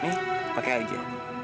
nih pakai aja